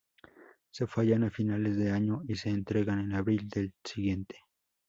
Se fallan a finales de año y se entregan en abril del siguiente.